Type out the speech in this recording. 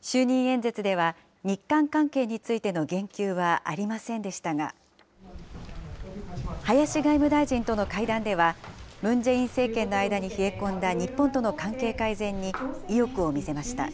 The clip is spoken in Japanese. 就任演説では、日韓関係についての言及はありませんでしたが、林外務大臣との会談では、ムン・ジェイン政権の間に冷え込んだ日本との関係改善に意欲を見せました。